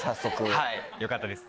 はいよかったです。